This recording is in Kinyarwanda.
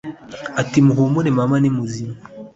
ati:muhumure mama nimuzima: